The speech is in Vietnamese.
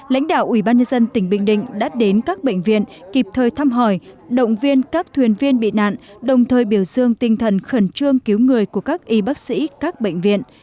lãnh đạo ubnd tỉnh bình định đã đến các bệnh viện kịp thời thăm hỏi động viên các thuyền viên bị nạn đồng thời biểu dương tinh thần khẩn trương cứu người của các y bác sĩ các bệnh viện